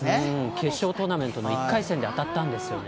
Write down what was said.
決勝トーナメントの１回戦で当たったんですよね。